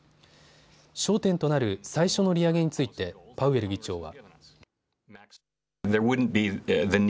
焦点となる最初の利上げについてパウエル議長は。